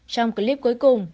trong clip cuối cùng